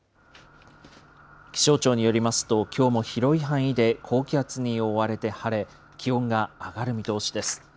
気象庁によりますと、きょうも広い範囲で高気圧に覆われて晴れ、気温が上がる見通しです。